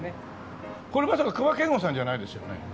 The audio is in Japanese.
これまさか隈研吾さんじゃないですよね？